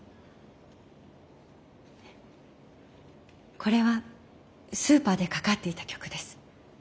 これはスーパーでかかっていた曲です。